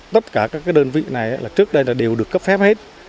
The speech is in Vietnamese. tất cả các đơn vị này là trước đây đều được cấp phép hết